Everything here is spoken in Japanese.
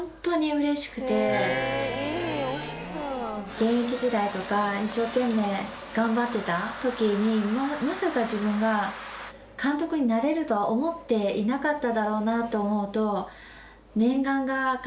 現役時代とか一生懸命頑張ってた時にまさか自分が監督になれるとは思っていなかっただろうなと思うと。